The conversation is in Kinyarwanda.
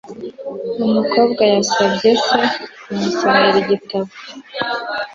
umukobwa yasabye se kumusomera igitabo